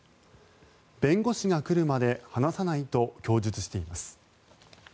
弁護士が来るまで話さないと供述しています。